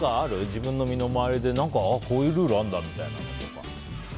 自分の身の周りで何かこういうルールあるんだみたいな。